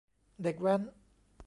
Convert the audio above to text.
เด็กแว้น